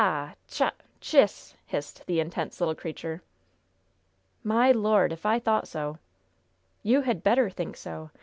Tchut! Tchis!" hissed the intense little creature. "My Lord, if I thought so!" "You had better think so.